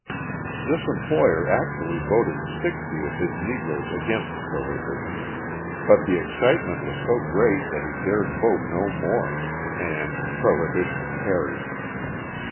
This employer actually voted sixty of his Negroes against prohibition, but the excitement was so great that he dared vote no more and prohibition carried.